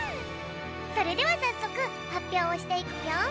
それではさっそくはっぴょうをしていくぴょん。